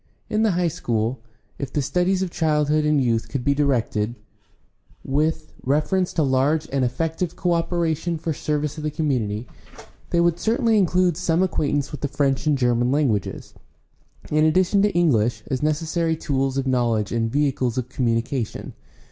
— In the high school. — If the studies of childhood and youth could be directed with 700 GUIDE TO STUDY OF CHRISTIAN RELIGION reference to large and effective co operation for service of the community, they would certainly include some acquaintance with the French and German languages, in addition to Eng lish, as necessary tools of knowledge and vehicles of com munication.